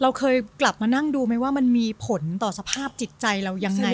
เราเคยกลับมานั่งดูไหมว่ามันมีผลต่อสภาพจิตใจเรายังไง